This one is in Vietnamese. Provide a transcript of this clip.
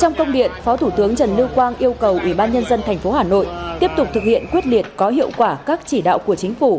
trong công điện phó thủ tướng trần lưu quang yêu cầu ủy ban nhân dân tp hà nội tiếp tục thực hiện quyết liệt có hiệu quả các chỉ đạo của chính phủ